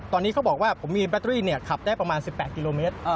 ตอนนี้เขาบอกว่าผมมีแบตเตอรี่ขับได้ประมาณ๑๘กิโลเมตร